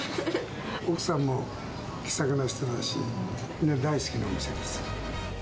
奥さんも気さくな人だし、みんな大好きなお店です。